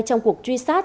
trong cuộc truy sát